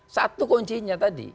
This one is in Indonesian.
satu kuncinya tadi